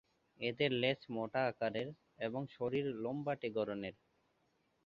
এদের লেজ মোটা আকারের এবং শরীর লম্বাটে গড়নের।